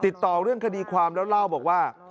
ติดต่อเรื่องคดีความแล้วเล่าบอกว่า